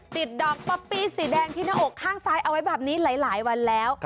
ดอกป๊อปปี้สีแดงที่หน้าอกข้างซ้ายเอาไว้แบบนี้หลายวันแล้ว